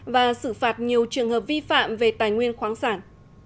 và xử phạt nhiều trường hợp vi phạm về tài nguyên khoáng sản